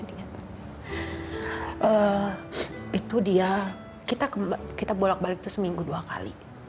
itu dia kita bolak balik itu seminggu dua kali